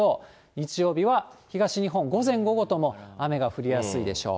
日曜日は東日本、午前、午後とも雨が降りやすいでしょう。